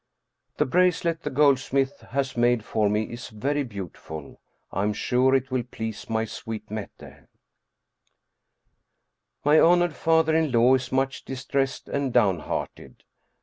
The bracelet the goldsmith has made for me is very beautiful. I am sure it will please my sweet Mette. My honored father in law is much distressed and down hearted.